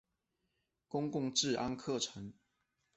公共治安的课程。